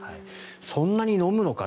そんなに飲むのか？